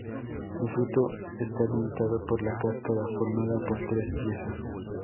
El fruto está limitado por la cáscara, formada por tres piezas.